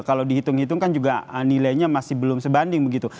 kalau dihitung hitung kan juga nilainya masih belum sebanding begitu